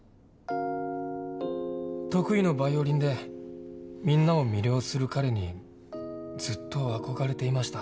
得意のバイオリンでみんなを魅了する彼にずっと憧れていました。